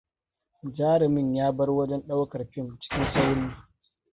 Jarumin ya bar wajen ɗaukar fim cikin sauri.